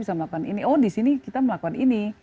bisa melakukan ini oh di sini kita melakukan ini